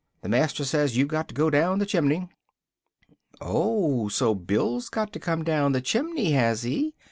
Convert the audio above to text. the master says you've to go down the chimney!" "Oh, so Bill's got to come down the chimney, has he?"